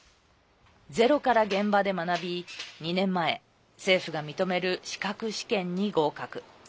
ゼロから現場で学び、２年前政府が認める資格試験に合格。